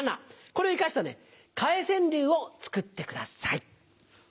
これを生かした替え川柳を作ってください。